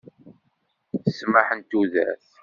Ssmaḥ n tudert.